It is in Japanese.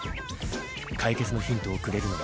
解決のヒントをくれるのは。